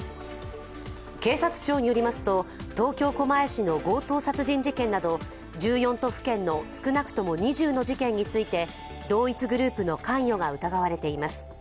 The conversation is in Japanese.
警察庁によりますと東京・狛江市の強盗殺人事件など１４都府県の少なくとも２０の事件について同一グループの関与が疑われています。